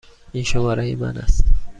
این شماره من است.